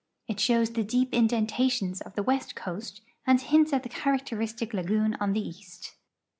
It shows the dee]) in dentations of the west coast and hints at the characteristic lagoon on the east.